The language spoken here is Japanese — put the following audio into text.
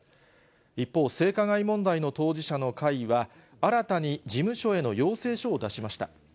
一方、性加害問題の当事者の会は、新たに事務所への要請書を出しました。